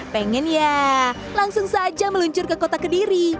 pengen ya langsung saja meluncur ke kota kediri